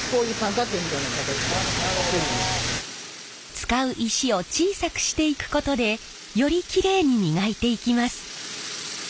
使う石を小さくしていくことでよりきれいに磨いていきます。